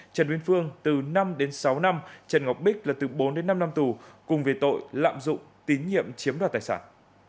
trần uyên phương từ năm đến sáu năm trần ngọc bích là từ bốn đến năm năm tù cùng về tội lạm dụng tín nhiệm chiếm đoạt tài sản